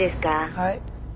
はい。